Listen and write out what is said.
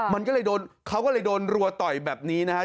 มันก็เลยโดนเขาก็เลยโดนรัวต่อยแบบนี้นะครับ